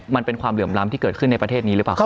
มันเป็นความเหลื่อมล้ำที่เกิดขึ้นในประเทศนี้หรือเปล่าครับ